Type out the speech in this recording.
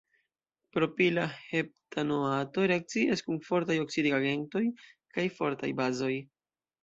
Propila heptanoato reakcias kun fortaj oksidigagentoj kaj fortaj bazoj.